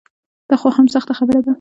دا خو هم سخته خبره ده.